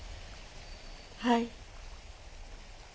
はい。